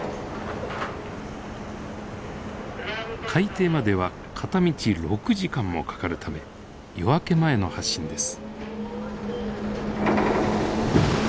海底までは片道６時間もかかるため夜明け前の発進です。